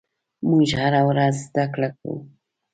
موږ هره ورځ زدهکړه کوو.